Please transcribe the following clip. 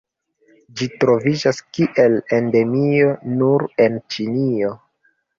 Ĝi troviĝas kiel endemio nur en Ĉinio.